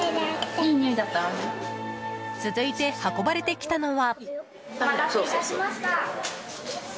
続いて、運ばれてきたのは。